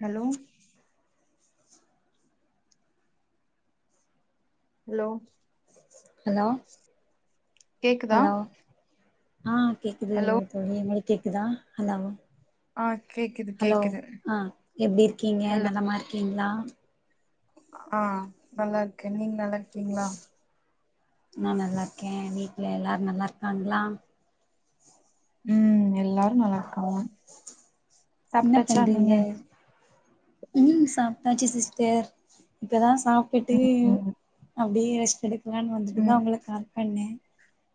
Hello hello hello கேக்குதா hello ஆஹ் கேக்குது ஹலோ தோழி [unintelligible] இருக் இதுக்குதா அல்லாவு ஆ கேக்குது ஹலோ கேக்குது ஆ எப்டி இருக்கீங்க ஹலோ நல்லமா இருக்கீங்களா ஆ நல்லா இருக் நீங்க நல்லா டீங்ளா நா நல்லா இருக்கே வீட்டுல எல்லாரும் நல்லா இருக்காங்களா உம் எல்லாரோ நல்லா இருக்காங்க என்ன சாப்ட்டாச்சா பண்றீங்க நீங்க தேர் இப்போதா சாப்பிட்டு ம் அப்டே ரெஸ்ட் எடுக்கலான்னு வந்துட்டுதா ம் உங்களுக்கு கால் பண்ணே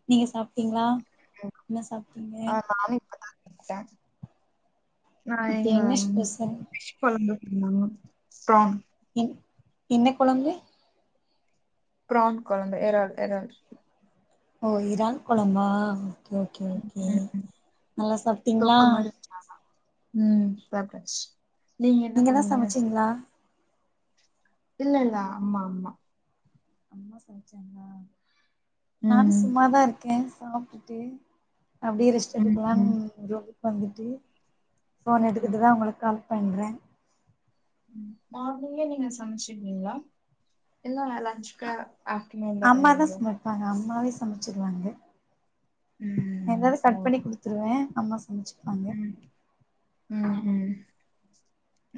நீங்க சாப்ட்டீங்ளா ஆ நானு இப்பதா டா நா அப்டியா இங்க என்ன ஸ்பெஷல் ஃபிஷ் கொழம்பு நாங்க பிரான் என் என்ன கொழம்பு பிரான் கொழம்பு எறால் எறால் ஓ இறால் கொழம்பா கே ஓகே ஓகே ம் ம் நல்லா சாப்ட்டீங்ளா உம் சாப்ட்டாச்சு நீங்க என்ன நீங்கதா பண்ணீங்க சமச்சிங்ளா இல்லல்ல அம்மா அம்மா அம்மா சமச்சாங்ளா நானு ம் சும்மாதா இருக்கே சாப்ட்டுட்டே அப்டே ரெஸ்ட் ம் ம் எடுக்கலான்னு ப்ரோ வந்துட்டு ஃபோன் ம் எடுதுட்டுதா உங்குளுக்கு கால் பண்றே மார்னிங்கே நீங்க சமச்சிர்வீங்ளா எல்லா வேல லஞ்ச்சுக்கா ஆப்டர்நூன்தா பண்ணு [inaudible] சமச்சிர்வாங்க ம் எதாது ஓ கட் பண்ணி குடுத்துருவே அம்மா சமச்சு அங்க உ உம்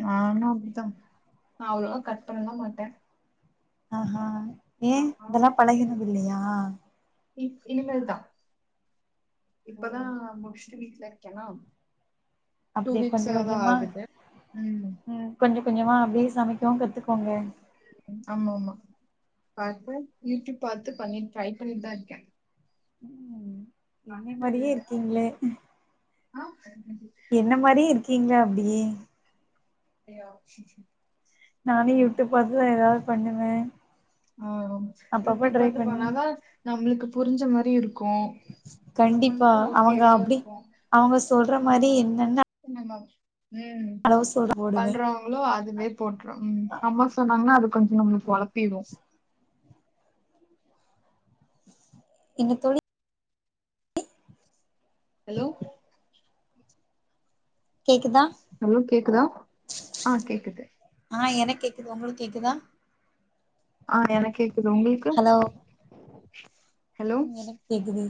நானு அப்டித்தா நா அவ்ளோல கட் பண்ணலா மாட்டே ஆஹ் ஆஹ் ஏன் இதெல்லாம் பழகினது இல்லையா இ இனிமேல் தான் ஓ இப்பதான் மு வீட்டுல இருக்கனா அப்படியே கொஞ்சம் கொஞ்சமா ம் உம் கொஞ்சம் கொஞ்சமா அப்படியே சமைக்கவும் கத்துக்கோங்க ஆமா ஆமா பாப்பேன் யூடியூப் பாத்து பண்ணி ட்ரை பண்ணிட்டு தான் இருக்கேன் உம் என்னையே மாதிரியே இருக்கீங்களே ஆஹ் என்ன மாதிரி இருக் இருக்கீங்க அப்படியே ச ச நானே யூடூப் பாத்து தான் ஏதாவது பண்ணுவே ஆஹ் அப்பப்ப யூடுப் ட்ரை பாத்து பண்ணுவே பண்ணாதான் நம்மளுக்கு புரிஞ்ச மாதிரி இருக்கு க்கும் கண்டிப்பா நம்மளுக்கும் அவங்க ஓக்கேவா அப்டி இருக்கும் அவங்க சொல்ற மாரி ஆஹ் என்னென்ன [unintelligible] உம் அளவு சொல்ற போடுவே பண்றவங்களோ அதுவே போட்டுறோம் உம் அம்மா சொன்னாங்கன்னா அது கொஞ்சம் நம்மளுக்கு பழக்கிரும் என்னத்தோழி ஹலோ கேக்குதா ஹலோ கேக்குதா ஆஹ் கேக்குது ஆஹ் எனக் கேக்குது உங்களுக்கு கேக்குதா ஆஹ் எனக் கேக் ஹலோ ஹலோ உம் எனக்கு கேக்குது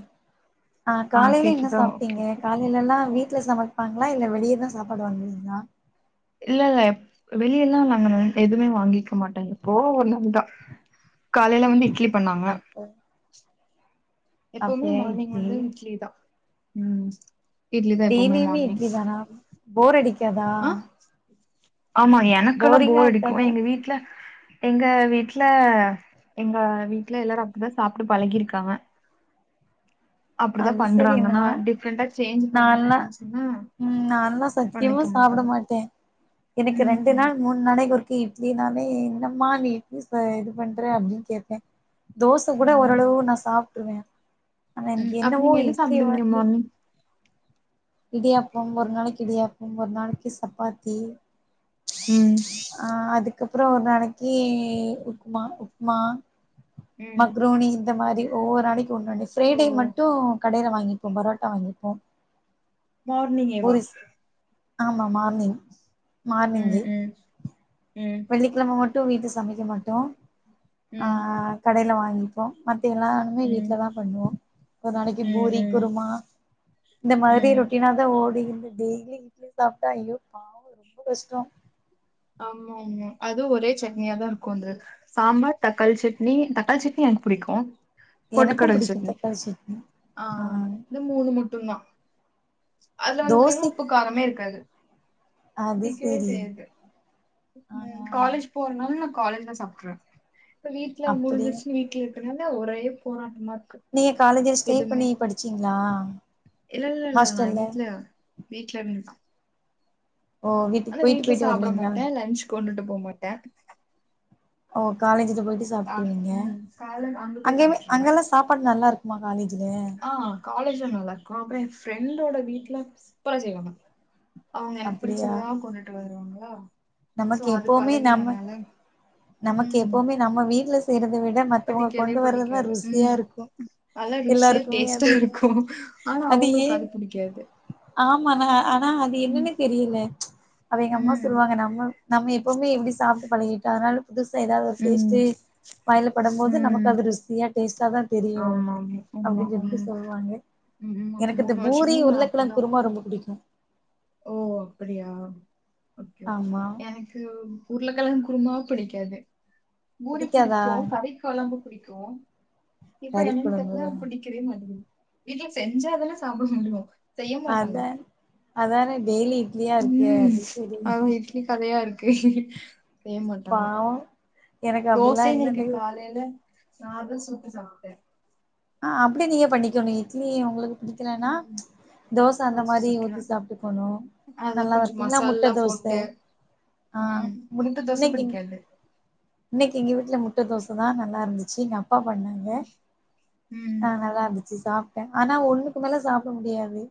ஆஹ் ஆ காலையில என்ன கேக்குதா ஓகே சாப்பிடீங்க ஓகே காலையில எல்லா வீட்ல சம பப்பாங்களா இல்ல வெளியதா சாப்பாடு வாங்குவீங்களா இல்ல இல்ல வெளிய எல்லா நாங்க எதுவுமே வாங்கிக்க மாட்டாங்க எப்போ ஒரு நாள் காலையில வந்து இட்லி பண்ணாங்க அப்ப எப்பவுமே அப்டியா மார்னிங் இட்லி வந்து இட்லி தா உம் டெய்லிமே இட்லி தானா போர் அடிக் காதா ஆ ஆமா எனக்கெல்லா போர் அடிக்குஎங்க வீட்ல எங்க வீட்ல எங்க வீட்ல எல்லாரு அதா சாப்ட்டு பழகியிருக்காங்க அது செரி நா டிஃப்ரெண்டா சேஞ்ச் பண்ணுங்க நல்லா அப்டின்னு சொன்னா உம் நல்லா சத்தியமா பண்ணிக்க சாப்பட மாட்டாங்க மாட்ட எனக்கு ரெண்டு ம் நாள் மூணு நாளே இட்லி நாளே என்ன மா நீ இட்லி இது பண்ற அப்டின்னு கேப தோச கூட ம் ஓரளவு நா சாப்ப [unintelligible] உம் அப்ப நீங்க என்ன சாப்பிடுவீங்க மார்னி்ங் இடியாப்போ ஒரு நாளைக்கு இடியாப்போ ஒரு நாளைக்கி சப்பாத்தி ம் ஆஹ் அதுக்கு அதுக்கப்பறோ ஒரு நாளைக்கி உப்மா உப்மா ம் மக்ரோனி இந்த மாரி ஒவ்வொரு நாளைக்கு ஒண்ணோண்ணு ஓ ஃப்ரைடே மட்டு கடையில வாங் வாங்கிப்போ பரோட்டா வாங்கிப்போ மார்னிங்கேவா பூரிஸ் ஆமா மார்னிங் ம் மார்னிங்கு ம் ம் வெள்ளிக்கலம மட்டு வீட்ல சமைக்க மாட்டோ ம் ஆஹ் கடையில வாங்க உம் பா எல்லாமே ம் வீட்டுல தான் பண்ணுவோம் ஒரு நாளைக்கு ம் பூரி ம் குருமா இந்த மாதிரி ம் ரோட்டினா தான் ஓடி [unintelligible] டெய்லி இட்லி சாப்பிட்டா ஐயோ பாவம் ரொம்ப கஷ்டம் ஆமா ஆமா அதுவும் ஒரே சட்னியாதான் இருக்கும் அந்த சாம்பார் தக்காளி சட்னி தக்காளி சட்னி எனக்கு பிடிக்கும் எனக்கு பொட்டுக்கடல் பிடிக்கு சட்னி தக்காளி சட்னி ஆஹ் ஆ இந்த மூணு முட்டும் தான் அதுல வந்து பாத்தீங்கன்னா உப்பு தோசைக்கு காரமே இருக்காது அது சரி உம் காலேஜ் போறனால காலேஜ் தான் சாப்பிட்றேன் இப்ப வீட்டுல ஒம்பது அப்படியா வருலஷம் வீட்டுல இருக்கேன் ஒரே [unintelligible] நீங்க காலேஜ்ல ஸ்டே எதுவுமே பண்ணி படிச்சீங்களா ஹாஸ்டல்ல வீட்டுல இருந்து தான்- ஓ வீட்டு போயிட்டு போயிட்டு வருவீங்களா மாட்டேன் லன்ச் கொண்டுட்டு போக மாட்டேன் ஓ காலேஜ் போயிட்டு ஆ சாப்பிட்டுருவீங்க ம் காலைல அங்க போய் அங்கேயுமே சாப்ட்ருவேன் அங்கல்லாம் சாப்பாடு நல்லா இருக்கு- [unintelligible] [unintelligible] ஆ காலேஜ்ல நல்லா இருக்கும் அப்புறம் என் ஃப்ரெண்டோட வீட்டுல [unintelligible] அவங்க எனக்கு அப்டியா பிடிச்சதான் கொண்டுட்டு வருவாங்க [inaudible] நமக்கு எப்பவுமே நாம- நமக்கு ம் எப்பவுமே நம்ம வீட்டுல- [unintelligible] மத்தவங்க பிடிக்கவே கொண்டு வர்றதுதான் பிடிக்காது ருசியா ம் இருக்கும் நல்லா ருசியா எல்லாருக்குமே டேஸ்ட்டா அதேன் இருக்கு ஆனா அது அவுங்களுக்கு ஏன் புடிக்காது ஆமா ஆனா அது ம் என்னன்னு தெரியல அவ எங்க அம்மா ம் சொல்லுவாங்க நம் நம்ம எப்பவுமே எப்படி சாப்பிட்டு பழகிட்ட அதனால புதுசா ஏதாவது ஒரு டேஸ்ட் ம் வயில படும் போது நமக்கு ம் அது ருசியா இப்பதான் தெரியும் ஆமா ஆமா ஆமா ஆமா அப்படின்னு சொல்லுவாங்க ம், ஆமா எனக்கு இந்த மூணு பூரி வருஷமே நா உருளைகிழங்கு அப்டிதா குருமா ரொம்ப பிடிக்கும் ஓ அப்படியா ஆமா எனக்கு உருளைக்கிழங்கு குருமா பிடிக்காது பூரி பிடிக்காதா புடிக்கும் கறிகுழம்பு புடிக்கா [unintelligible] இப்ப கறி என்னன்னு தெர்ல கொழம்பு புடிக்கவே மாட்டேங்குது வீட்ல செஞ்சா அதெல்லா சாப்பிட முடியு செய்ய மாட்டாங்க அதான் அதானே டெய்லி இட்லியா இருக்கே ம் அப்டி சொல்லி அதா இட்லி கதையா இருக்கு செய்ய மாட்டாங்க எனக்கு அப்டிலா தோசைனு இருக்கு இருந்தது காலைல நா தோச சுட்டு சாப்ட்டே ஆஹ் அப்டி நீங்க பண்ணிக்கணு இட்லி உங்களுக்கு புடிக்கலன்னா ம் ச் தோச அந்த தோசை மாதிரி ஊத்தி சுட்டுறேன் சாப்ட்டுக்கணு அத கொஞ்சம் நல்லாருக்குங்களா முட்ட மசாலா தோச போட்டு ஆஹ் ம் முட் முட்ட தோசை இன்னைக்கு பிடிக்காது இன்னைக்கு எங்க வீட்டுல முட் முட்டதோசதா நல்லா இருந்துச்சு நா அப்பா பண்ணாங்க ம் ஆஹ் நல்லா இருந்துச்சு சாப் ஆனா ஒண்ணுக்கு மேல சாப்ட முடியாது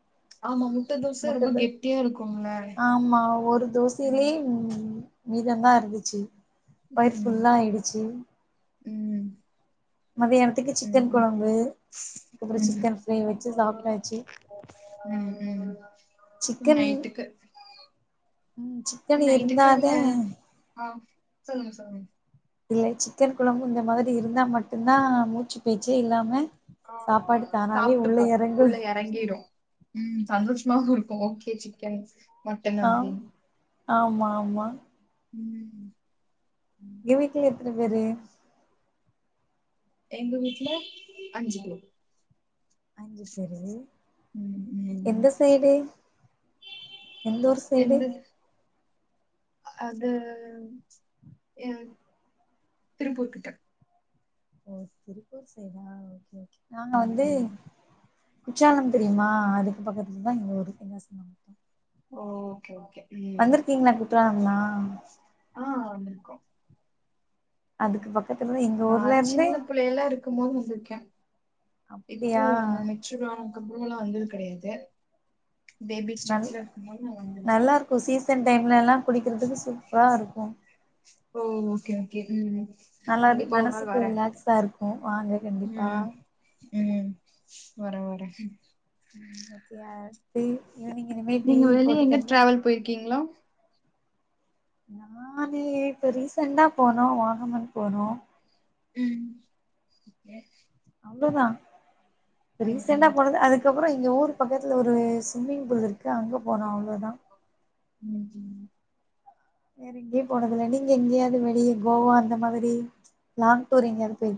ஆமா முட்ட தோசை ரொம்ப முட்டுது கெட்டியா இருக்கும்ல ஆமா ஒரு ம் தோசைலயே உ மீதமா இருந்துச்சு வயிர் ஃபுல்லா ஆயிடுச்சி உம் மதியானத்துக்கு சிக்கன் குழம்பு அதுக்கப்பறோ ம் சிக்கன் ஃப்ரை வச்சு சாப்பிட்டாச்சு ம் ம் சிக்கன் நைட்டுக்கு உம் சிக்கன் நைட்டுக்கு நீங்க இருந்தாதே ஆ சொல்லுங்க சொல்லுங்க இல்ல சிக்கன் கொழம்பு இந்த மாதிரி இருந்தா மட்டுந்தா மூச்சு பேச்சே இல்லாம சாப்பாடு தானாவே உள்ள சாப்ட்டுப்போ எறங்கு உள்ள இறங்கிடு உம் சந்தோஷ குடுப்போ ஓகே சிக்கன் மட்டன் ஆ அப்டின்னு ஆமா ஆமா ம் உங்க வீட்ல எத்தன பேரு எங்க வீட்ல அஞ்சு பேர் அஞ்சு பேரு ம் எந்த ம் சைடு எந்த உரு சைடு எந்த அது அ திருப்பூர் கிட்ட ஓ திருப்பூர் சைடா ஓகே நாங்க ம் வந்து ம் குற்றாலம் தெரியுமா அதுக்கு பக்கத்துல தான் எங்க ஊரு தென்காசி ஓகே ஓகே ம் வந்திருக்கீங்களா குற்றாலம்லா ஆ வந்துருக்கோ அதுக்கு பக்கத்துல எங்க ஊர்ல நாலா இருந்து சின்ன பிள்ளைல இருக்கும போது வந்திருக்கே இப்போ அப்டியா நா நெனச்சுதா அப்றோலா வந்தது கெடையாது பேபி நல் [unintelligible] இருக்கமோது நா வந்திருக்கே டைம்லல்லா குழிக்கிறதுக்கு சூப்பரா இருக்கு கூ ஓ ஓகே ஓகே உம் நல்லா இரு மனசுக்கு ரிலாக்ஸா இருக்ககவாங்க கண்டிப்பா ம் ம் வரே வரே ம் ஓகேயா நீங்க வெளிய எங்க டிராவல் போயிர்க்கீங்களா நானே இப்ப ரீசண்டா போனோ வாகமண் போனோ உம் அவங்கதா ரீசெண்டா ம் போனது அதுக்கப்றோ இங்க ஊர் பக்கத்துல ஒரு சும்மிங் புல் இருக்கு அங்க போனோ அவ்ளோதா ம் வேற எங்கயு போனதில்ல நீங்க எங்கேயாவது வெளிய கோவா அந்த மாரி லாங் டூர் எங்கேயாவது போய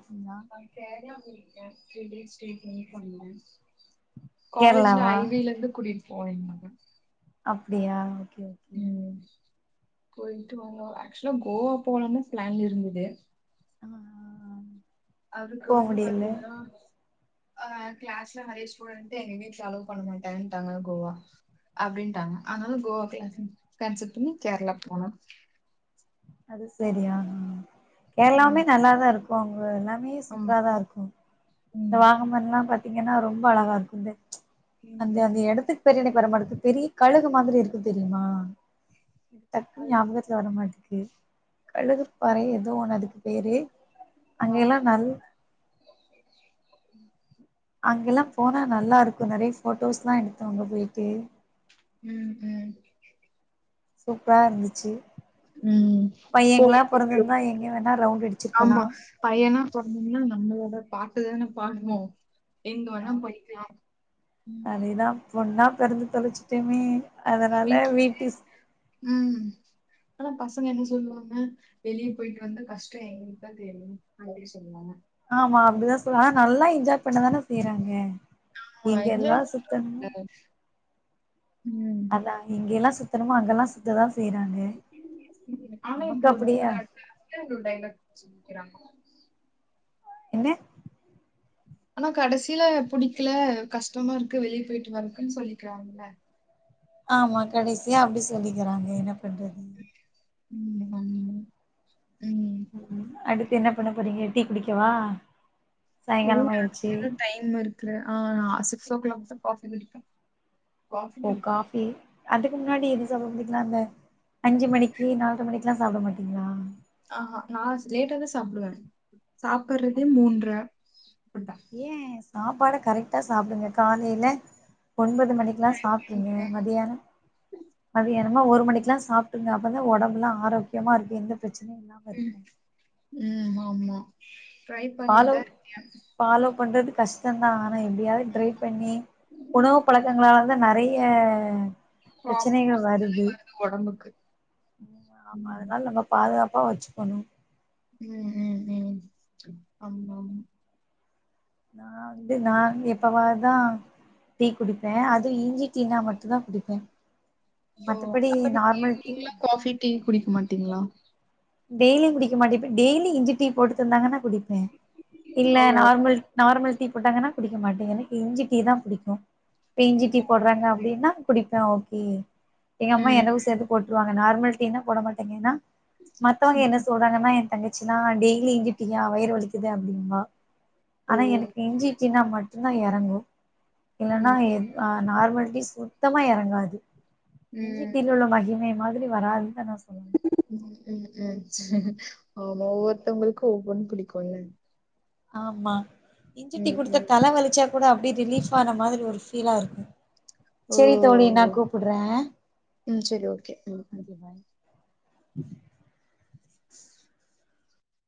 அ செரி [unintelligible] ரியல் எஸ்டேடும் பண்ணே காலேஜ்ல கேரளாவா ஐ வி ல இருந்து கூட்டிட் போயிந்தாங்க அப்டியா ஓகே ஓகே போயிட்டு வந்தோ ஆக்சுலா கோவா போலனு பிளான்ல இருந்தது ஆ அதுக்கு போ வந்து முடியல பாத்தீங்னா ஆஹ் கிளாஸ்ல நெறைய ஸ்டுடென்டு எங்க வீட்ல அலோ பண்ண மாட்டேன்டாங்க கோவா அப்டின்டாங்க அதனால கோவா கிளாஸ் கேன்சல் பண்ணி கேரளா போனோ அது செரியா ஹ ம் கேர்ளாவுமே நல்லாதா இருக்கு அவங்க எல்லாமே ஆமா சூப்பரா தா இருக்கு இந்த ம் வாகமன் எல்லா பாத்தீங்கனா ரொம்ப அழகா இருக்கு இந்த அந்த ம் அந்த இடத்துக்கு பெரியனைக்கு [unintelligible] பெரிய கழுகு மாதிரி இருக்கு தெரியுமா டக்குனு ஞாபகத்துல வரமாட்டேங்குது [unintelligible] கழுகுப்பாறை ஏதோ அதுக்கு பேரு அங்க எல்லா நல்ல ம் அங்கெலா போனா நல்லாருக்கு நறைய போட்டோஸ்லா எடுத்தோ அங்க போய்ட்டு ம் ம் சூப்பரா இருந்துச்சி [unintelligible] எங்க வேணா ரவுண்ட் அடிச்சிருக்கலா ஆமா பையனா சொன்ன நம்ளோட பாட்டதான பாடணோ எங்க வேணா ஆ படிக்கலாம் ம் பொன்னா பொறந்து தொலச்சிட்டமே அதான் அதனால வீட்ல வீட்டு இப்பல்லா பசங்க என்ன சொல்லுவாங்க வெளியே போயிட்டு வந்த கஷ்டோ எங்களுக்கு தா தெரியு அங்கவை சொல்லுவாங்க ஆமா அப்டிதா சொல் ஆனா நல்லா என்ஜாய் பண்ணதான செய்றாங்க ஆமா எங்க எல்லா என்ஜாய் சுத்தணுமோ பண்ண. ம் அதா எங்க எல்லா சுத்தணுமோ அங்க எல்லா சுத்ததா செய்றாங்க நமக்கு அப்டியா [unintelligible] க்கிறாங்க என்ன ஆனா கடசில புடிக்கல கஷ்டமா இருக்கு வெளிய போயிட்டு வரக்குன்னு சொல்லிக்கிறாங்க ஆமா கடசியா அப்டி சொல்லிக்கிறாங்க என்ன பண்றது ம் ம் ம் அடுத் ப்ப என்ன பண்ண போறீங்க டீ குடிக்கவா இருங்க சாயங்காலம் ஆயிருச்சு இன்னு டைமுருக்குற ஆ ஆச சிக்ஸ் ஒ கிளாக் தா காஃபி குடிப்பேன் காஃபி ஓ குடிப்பேன் காஃபி அதுக்கு முன்னாடி இது சமப்பீங்லா அந்த அஞ்சு மணிக்கி நால்ற மணிக்கெல்லா சாப்பட மாட்டீங்ளா ஆஹா நா லேட்டா தா சாப்புடுவே சாப்புட்றதே மூன்ற [inaudible] ஏ சாப்பாட கரெக்டா சாப்டுங்க காலைல ஒன்பது மணிக்குல்லா சாப்ட்ருங்க மத்தியானம் மத்தியா ம்மா ஒரு மணிக்கக்குல்லாம் சாப்ட்ருங்க அப்ப தான் ஒடம்புல்லா ஆரோக்கியமா இருக்கு எந்த பிரச்சனையு இல்லாம ம் இருக்கு ம் ஆமா ட்ரை பண்ணிட்டு ஃபாலோ தான் இருக்கேன் ஃபாலோ பண்றது கஷ்டந்தா ஆனா எப்டியாது ட்ரை பண்ணி உணவு பழக்கங்களா இல்ல நெறைய ப்ராப்ளம்ஸ் பிரச்சனைகள் வருது உடம்புக்கு ஆமா ம். அதனால் நம்ம பாதுகாப்பு வாட்ச் பண்ணும் ம் ம் ம் ஆமா நா வந்து நா எப்பவாது தா டீ குடிப்பே அது இஞ்சி டீனா மட்டும் தா குடிப்பே ஓ மத்தபடி அப்ப நீங்க நார்மல் டீ வீட்ல காஃபி டீ லா குடிக்க மாட்டீங்களா டெய்லி குடிக்க மாட்டே பா டெய்லி இஞ்சி டீ போட்டு தந்தாங்கனா குடிப்பே இல்ல ஓ நார்மல் நார்மல் டீ போட்டாங்கனா குடிக்க மாட்டே எனக்கு இஞ்சி டீ தான் படிக்கும் இஞ்சி டீ போடுறாங்க அப்டினா குடிப் ஆ ஓகே எங்க அம்மா ம். எனக்கு சேத்து போட்டுருவாங்க நார்மல் டீனா போட மாட்டேங்க ஏனா மத்தவங்க ம். என்ன சொல்றாங்கனா என் தங்கச்சினா டெய்லி எங்கிட்டீயா வயிறு வலிக்குது அப்டின்வா ஓ! ஆனா எனக்கு இஞ்சி டீனா மட்டும் ன்னா இறங்கும் இல்லனா ம். நார்மல் டீ சுத்தமா இறங்காது இஞ்சி ம். டீ ல ‌ உள்ள ‌மகிமை மாதிரி வராது தானோ ம் ம் ஆமா ஒவ்வொருத்தவங்களுக்கு ஒவ்வொன்னு பிடிக்கும்ல ஆமா இஞ்சி டீ ம். குடுத்தா ம். தல வலிச்சா கூட அப்டியே ரிலீஃப் ஆன மாதிரி ஒரு ஃபீலா இருக்கும் ஓ! சேரி தோழி நா கூப்பிடுற ம். சரி. ஓகே. ம். ம். ஓகே பாய்